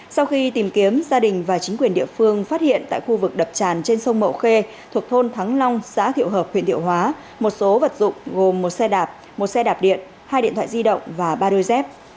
sau khi tìm kiếm gia đình và chính quyền địa phương phát hiện tại khu vực đập tràn trên sông mậu khê thuộc thôn thắng long xã thiệu hợp huyện thiệu hóa một số vật dụng gồm một xe đạp một xe đạp điện hai điện thoại di động và ba đôi dép